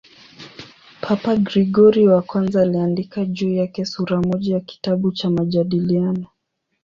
Papa Gregori I aliandika juu yake sura moja ya kitabu cha "Majadiliano".